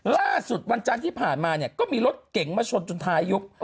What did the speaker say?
ล่าสุดวันจานที่ผ่านมาเนี่ยก็มีรถเก่งมาชนจนท้ายุค